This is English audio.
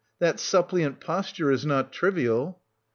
That suppliant posture is not trivial.